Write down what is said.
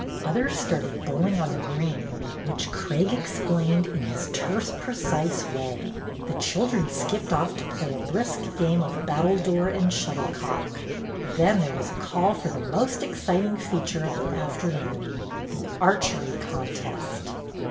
Others started bowling on the green, which Craig explained in his terse, precise way. The children skipped off to play a brisk game of battledore and shuttlecock. Then there was a call for the most exciting feature of the after noon, the archery contest.